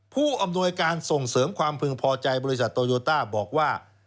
ผู้อำนวยการส่งเสริมความพึงพอใจบริษัทโตโยต้าบอกว่า